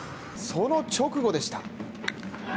その直後でした。